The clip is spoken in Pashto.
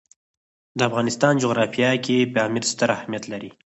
د افغانستان جغرافیه کې پامیر ستر اهمیت لري.